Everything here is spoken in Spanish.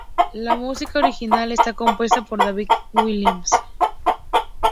La música original está compuesta por David C. Williams.